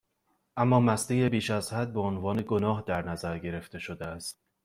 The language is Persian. اما مستی بیشازحد، بهعنوان گناه در نظر گرفته شده است